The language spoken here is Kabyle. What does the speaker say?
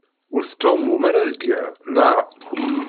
Ur tettɛumum ara deg yiḍ, naɣ?